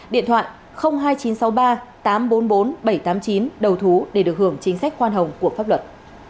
điện thoại hai nghìn chín trăm sáu mươi ba tám trăm bốn mươi bốn bảy trăm tám mươi chín đầu thú để được hưởng chính sách khoan hồng của pháp luật